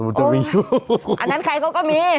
อันนั้นใครเขาก็มี